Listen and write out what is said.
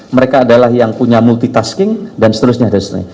mereka adalah yang punya multitasking dan seterusnya